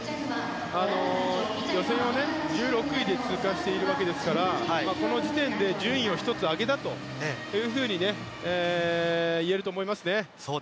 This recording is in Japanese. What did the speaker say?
予選を１６位で通過しているわけですからこの時点で順位を１つ上げたと言えると思いますね。